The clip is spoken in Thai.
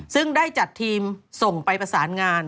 ซึ่งได้จัดทีมส่งไปประสานงาน